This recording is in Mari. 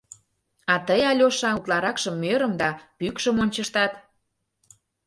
А тый, Алеша, утларакшым мӧрым да пӱкшым ончыштат.